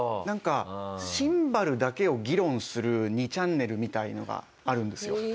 なんかシンバルだけを議論する２ちゃんねるみたいなのがあるんですよ。